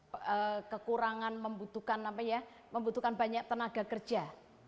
ada kekurangan membutuhkan apa ya membutuhkan banyak tenaga kerja